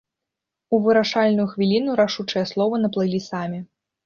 У вырашальную хвіліну рашучыя словы наплылі самі.